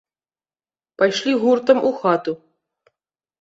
Пайшлі гуртам у хату.